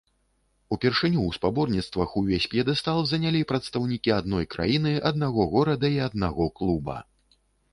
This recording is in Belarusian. Упершыню ў спаборніцтвах увесь п'едэстал занялі прадстаўнікі адной краіны, аднаго горада і аднаго клуба.